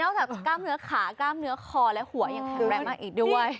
จากกล้ามเนื้อขากล้ามเนื้อคอและหัวยังแข็งแรงมากอีกด้วย